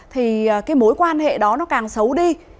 thì mối quan hệ đó càng xấu đi